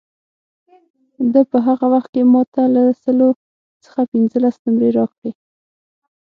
ده په هغه وخت کې ما ته له سلو څخه پنځلس نمرې راکړې.